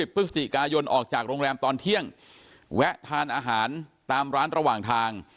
พฤศจิกายนออกจากโรงแรมตอนเที่ยงแวะทานอาหารตามร้านระหว่างทาง